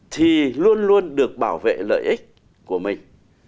thì luôn luôn được bảo vệ lợi ích của mình